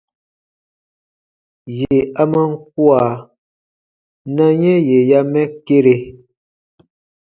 Yè a man kua, na yɛ̃ yè ya mɛ kere.